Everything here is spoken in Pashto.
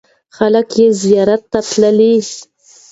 خلک یې زیارت ته تللي.